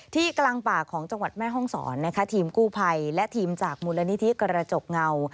กลางป่าของจังหวัดแม่ห้องศรนะคะทีมกู้ภัยและทีมจากมูลนิธิกระจกเงา